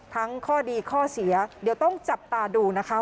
ข้อดีข้อเสียเดี๋ยวต้องจับตาดูนะคะ